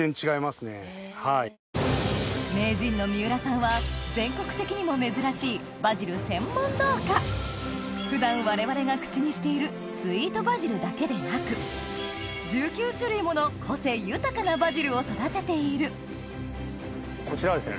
名人の三浦さんは全国的にも珍しい普段我々が口にしているスイートバジルだけでなく１９種類もの個性豊かなバジルを育てているこちらはですね。